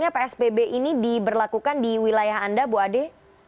psbb ini diberlakukan di wilayah anda bu ade